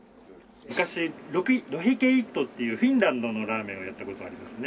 昔ロヒケイットっていうフィンランドのラーメンをやった事ありますね。